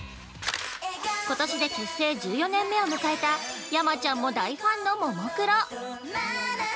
ことしで結成１４年目を迎えた山ちゃんも大ファンのももクロ。